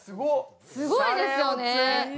すごいですよね。